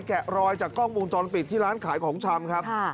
แกะรอยจากกล้องวงจรปิดที่ร้านขายของชำครับ